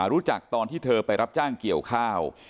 รู้จักตอนที่เธอไปรับจ้างเกี่ยวข้าว